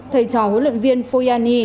thầy trò huấn luyện viên foyani